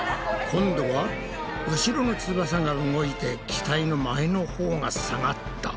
今度は後ろの翼が動いて機体の前のほうが下がった。